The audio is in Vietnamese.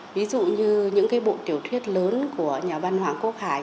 ví dụ như những bộ tiểu thuyết lớn của nhà văn hoàng quốc hải